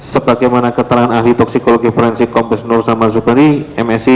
sebagaimana keterangan ahli toksikologi forensik kombes nur samar zubadi msi